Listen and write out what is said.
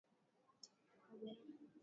Mimi ni wa juu.